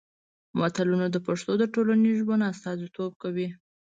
متلونه د پښتنو د ټولنیز ژوند استازیتوب کوي